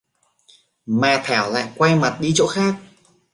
mà thảo lại quay mặt đi chỗ khác